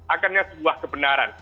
akarnya sebuah kebenaran